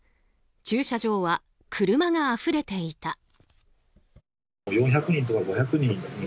駐車場は車があふれていた。